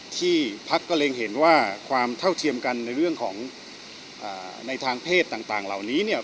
ที่พักก็เล็งเห็นว่าความเท่าเทียมกันในเรื่องของในทางเพศต่างเหล่านี้เนี่ย